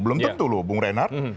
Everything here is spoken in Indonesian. belum tentu loh bung reinhardt